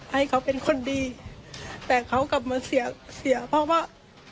ให้เขาเป็นคนดีแต่เขากลับมาเสียเสียเพราะว่า